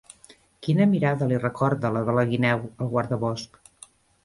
Quina mirada li recorda la de la guineu al guardabosc?